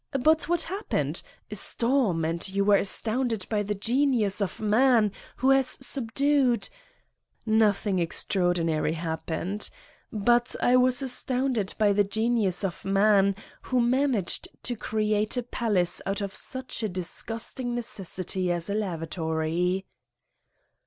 But what happened! A storm, and you were astounded by the genius of man, who has subdued " "Nothing extraordinary happened. But I was 51 Satan's Diary astounded by the genius of man who managed to create a palace out of such a disgusting necessity as a lavatory.